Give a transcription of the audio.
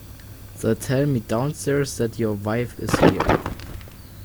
They tell me downstairs that your wife is here.